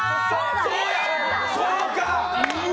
そうか！